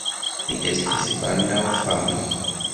Li estis baldaŭ fama.